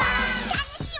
たのしい